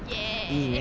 いいね。